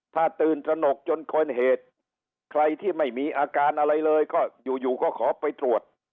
ถ้าตื่นตระหนกจนเกินเหตุใครที่ไม่มีอาการอะไรเลยก็อยู่อยู่ก็ขอไปตรวจ